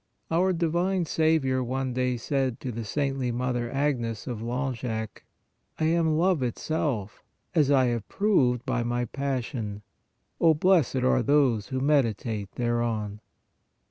Our divine Saviour one day said to the saintly Mother Agnes of Lan 1 70 PRAYER geac :" I am love itself, as I have proved by My passion. Oh ! blessed are those who meditate there on!"